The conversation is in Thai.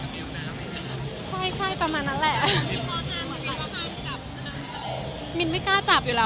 บุคคลิปแทนกับมียกน้ำอะไรป่ะ